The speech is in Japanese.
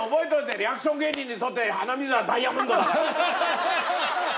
リアクション芸人にとって鼻水はダイヤモンドだから。